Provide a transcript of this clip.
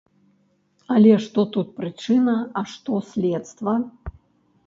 Але што тут прычына, а што следства?